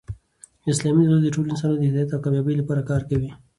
اسلامي دولت د ټولو انسانانو د هدایت او کامبابۍ له پاره کار کوي.